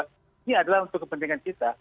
ini adalah untuk kepentingan kita